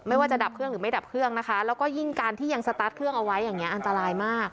ว่าจะดับเครื่องหรือไม่ดับเครื่องนะคะแล้วก็ยิ่งการที่ยังสตาร์ทเครื่องเอาไว้อย่างนี้อันตรายมาก